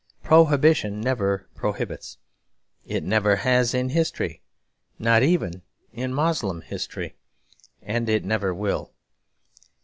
Prohibition never prohibits. It never has in history; not even in Moslem history; and it never will.